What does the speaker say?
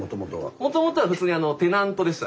もともとは普通にテナントでした。